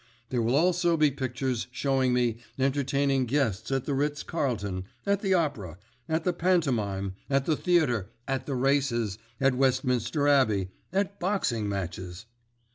There will also be pictures showing me entertaining guests at the Ritz Carlton, at the Opera, at the pantomime, at the theatre, at the races, at Westminster Abbey, at boxing matches."